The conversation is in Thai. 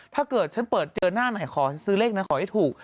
ถ้าเกิดฉันเปิดเจอหน้าใหม่ขอซื้อเลขนะขอให้ถูก